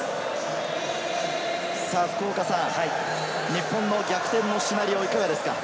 日本の逆転のシナリオいかがですか？